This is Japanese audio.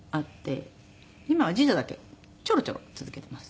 今は次女だけちょろちょろ続けています